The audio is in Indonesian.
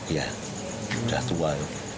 ya sudah tua